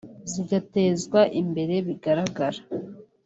zigatezwa imbere bigaragara